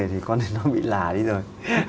thì con ấy nó bị lả đi rồi